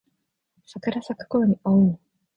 桜咲くころに会おう